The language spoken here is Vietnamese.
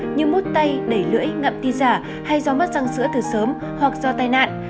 như mút tay đẩy lưỡi ngậm ti giả hay do mất răng sữa từ sớm hoặc do tai nạn